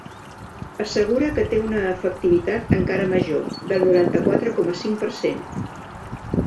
Assegura que té una efectivitat encara major, del noranta-quatre coma cinc per cent.